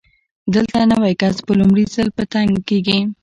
دلته نوی کس په لومړي ځل په تنګ کېږي.